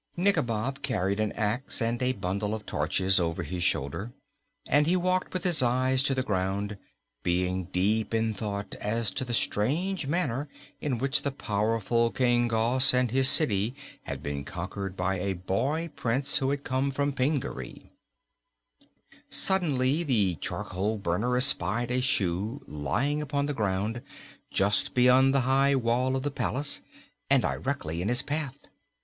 Nikobob carried an ax and a bundle of torches over his shoulder and he walked with his eyes to the ground, being deep in thought as to the strange manner in which the powerful King Gos and his city had been conquered by a boy Prince who had come from Pingaree. Suddenly the charcoal burner espied a shoe lying upon the ground, just beyond the high wall of the palace and directly in his path.